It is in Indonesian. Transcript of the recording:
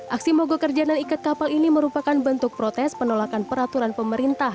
aksi mogok kerja dan ikat kapal ini merupakan bentuk protes penolakan peraturan pemerintah